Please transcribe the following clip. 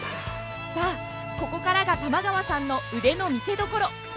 ここからが玉川さんの腕の見せどころ。